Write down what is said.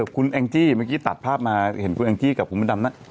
คุณแองจี้เมื่อกี้ตัดภาพมาเห็นคุณแองจี้กับคุณพระดำนั่ง